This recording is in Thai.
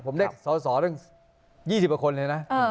ผมได้สอสอตั้ง๒๐กว่าคนเลยนะ